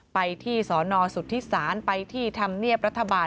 ไปที่สนสุธิศาลไปที่ธรรมเนียบรัฐบาล